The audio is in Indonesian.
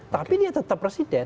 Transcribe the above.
tapi dia tetap presiden